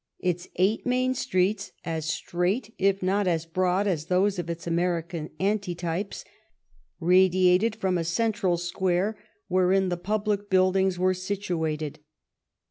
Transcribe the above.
Its eight main streets, as straight if not as broad as those of its American antitypes, radiated from a central square, wherein the public buildings were situated.